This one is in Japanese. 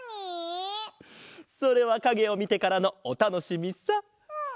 それはかげをみてからのおたのしみさ。